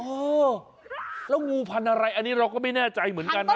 เออแล้วงูพันธุ์อะไรอันนี้เราก็ไม่แน่ใจเหมือนกันนะ